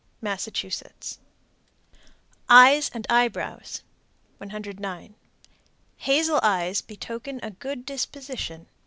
Massachusetts. EYES AND EYEBROWS. 109. Hazel eyes betoken a good disposition.